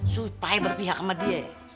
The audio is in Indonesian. supaya berpihak sama dia